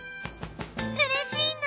うれしいな！